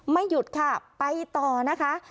ไม่หยุดค่ะไปต่อนะคะ